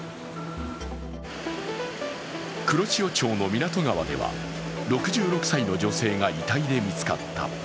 黒潮町の湊川では６６歳の女性が遺体で見つかった。